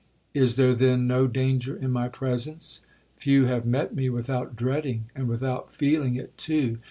'—'Is there, then, no danger in my presence?—few have met me without dreading, and without feeling it too!'